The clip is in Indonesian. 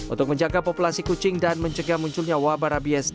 untuk menjaga populasi kucing dan mencegah munculnya wabah rabies